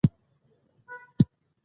نو ستاسې باور نورو کې له منځه وړلای شي